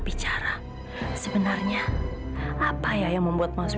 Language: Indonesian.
tidak mungkin ini salah